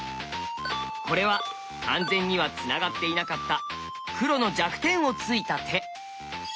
これは完全にはつながっていなかった黒の弱点をついた手。